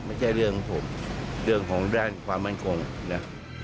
ไม่ใช่เรื่องของผมเรื่องของด้านความมั่นคงนะ